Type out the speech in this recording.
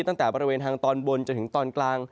ตั้งแต่บริเวณทางตอนบนจนถึงตอนกลาง